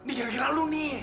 ini gara gara lu nih